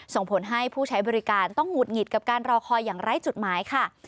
ส่งผลให้ผู้ใช้บริการต้องหุดหงิดกับการรอคอยอย่างไร้จุดหมายค่ะ